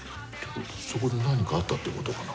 そこで何かあったってことかな？